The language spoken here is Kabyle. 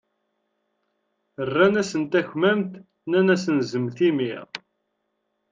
Rran-asen takmamt, nnan-asen zemmet imi.